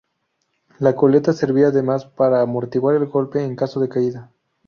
La coleta servía además para amortiguar el golpe en caso de caída.